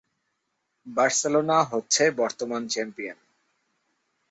Barcelona হচ্ছে বর্তমান champion.